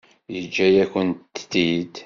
Yeǧǧa-yakent-t-id?